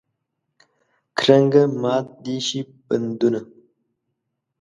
کرنګه مات دې شي بندونه.